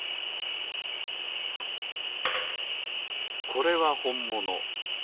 これはほんもの。